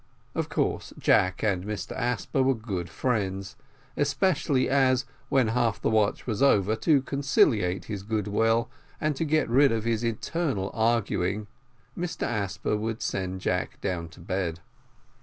Of course, Jack and Mr Asper were good friends, especially as, when half the watch was over, to conciliate his good will and to get rid of his eternal arguing, Mr Asper would send Jack down to bed.